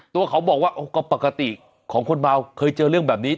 ตัวเขาบอกว่าก็ปกติของคนเมาเคยเจอเรื่องแบบนี้